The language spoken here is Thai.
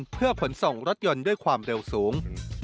เพื่อขนส่งรถยนต์ด้วยความเร็วสูง